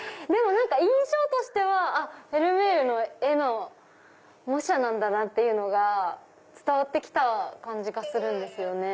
印象としてはフェルメールの絵の模写なんだなって伝わって来た感じがするんですよね。